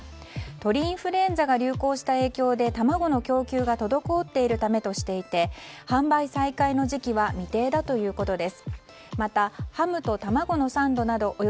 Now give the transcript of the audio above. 鳥インフルエンザが流行した影響で卵の供給が滞っているためとしていて販売再開の時期は未定だということです。